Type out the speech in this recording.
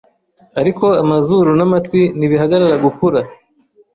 ariko amazuru n’amatwi ntibihagarara gukura